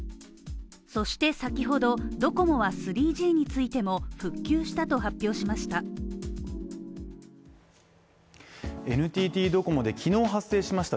そして先ほどドコモは３Ｇについても復旧したと発表しました。